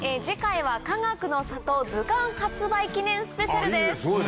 次回はかがくの里図鑑発売記念スペシャルです。